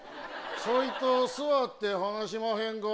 ちょいと座って話しまへんか？